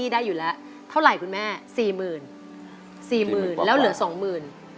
ได้อยู่แล้วเท่าไหร่คุณแม่สี่หมื่นสี่หมื่นแล้วเหลือสองหมื่น